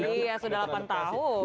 iya sudah delapan tahun